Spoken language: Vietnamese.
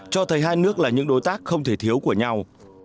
cho thấy hai nước là những đối tác không thể thiếu của nhau